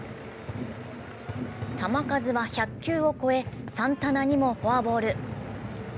球数は１００球を超え、サンタナにもフォアボール。